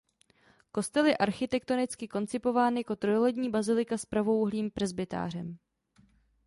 Kostel je architektonicky koncipován jako trojlodní bazilika s pravoúhlým presbytářem.